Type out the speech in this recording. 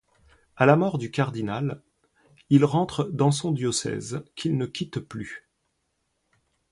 À la mort du cardinal, il rentre dans son diocèse qu'il ne quitte plus.